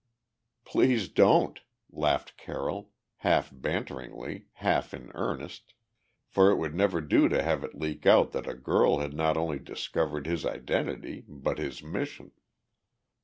"Please don't," laughed Carroll, half banteringly, half in earnest, for it would never do to have it leak out that a girl had not only discovered his identity, but his mission.